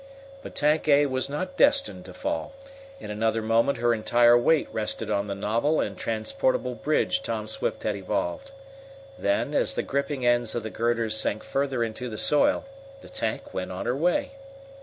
But Tank A was not destined to fall. In another moment her entire weight rested on the novel and transportable bridge Tom Swift had evolved. Then, as the gripping ends of the girders sank farther into the soil, the tank went on her way.